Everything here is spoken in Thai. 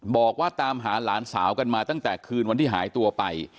บอกว่าตามหาหลานสาวกันมาตั้งแต่คืนวันที่หายตัวไป